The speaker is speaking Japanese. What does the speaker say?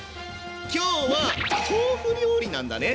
今日は豆腐料理なんだね？